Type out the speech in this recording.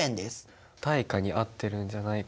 対価に合ってるんじゃないかなって。